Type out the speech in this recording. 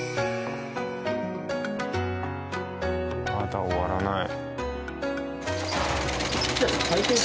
まだ終わらない。